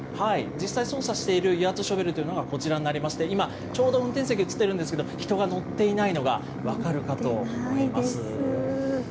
実際に操作している油圧ショベルというのがこちらになりまして、今、ちょうど運転席が映ってるんですけれども、人が乗っていないのが分かるかと思います。